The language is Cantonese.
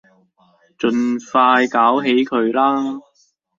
盡快搞起佢啦